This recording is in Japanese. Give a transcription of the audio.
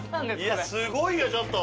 いやすごいよちょっと。